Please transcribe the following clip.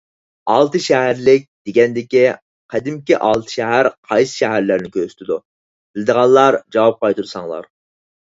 «ئالتەشەھەرلىك» دېگەندىكى قەدىمكى ئالتە شەھەر قايسى شەھەرلەرنى كۆرسىتىدۇ؟ بىلىدىغانلار جاۋاب قايتۇرساڭلار.